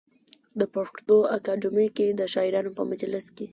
د پښتو اکاډمۍ کې د شاعرانو په مجلس کې.